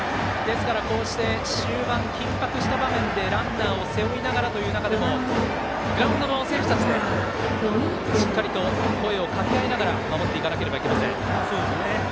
こうして終盤、緊迫した場面でランナーを背負いながらという中でもグラウンドの選手たちでしっかりと声をかけ合いながら守っていかなければいけません。